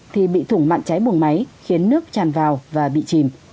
thì bị thủng mạn cháy buồng máy khiến nước tràn vào và bị chìm